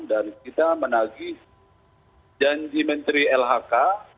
dan kita menagi janji menteri lhk